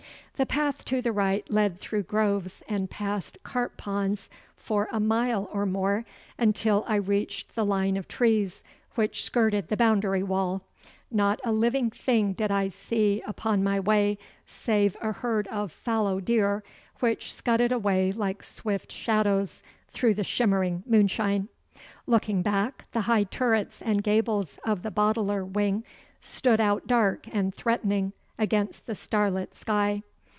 The path to the right led through groves and past carp ponds for a mile or more, until I reached the line of trees which skirted the boundary wall. Not a living thing did I see upon my way, save a herd of fallow deer, which scudded away like swift shadows through the shimmering moonshine. Looking back, the high turrets and gables of the Boteler wing stood out dark and threatening against the starlit sky.